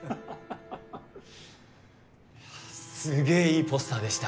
すげいいポスターでした。